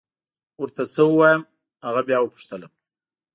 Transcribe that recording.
اوس ور ته څه ووایم! هغه بیا وپوښتلم.